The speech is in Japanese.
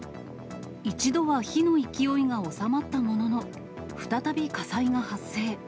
一度は火の勢いが収まったものの、再び火災が発生。